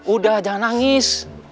udah jangan nangis